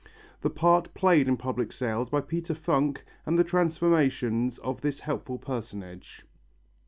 The part played in public sales by Peter Funk and the transformations of this helpful personage.